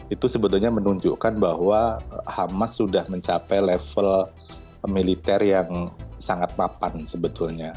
itu sebetulnya menunjukkan bahwa hamas sudah mencapai level militer yang sangat mapan sebetulnya